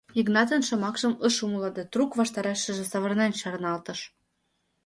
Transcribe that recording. Йыгнатын шомакшым ыш умыло да трук ваштарешыже савырнен чарналтыш.